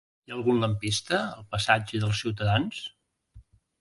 Hi ha algun lampista al passatge dels Ciutadans?